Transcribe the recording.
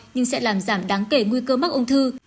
nhưng sẽ làm giảm đáng kể nguy cơ mắc ung thư